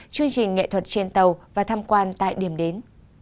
chương trình nghệ thuật trên tàu và tham quan tại điểm đến